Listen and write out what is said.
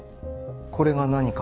これが何か？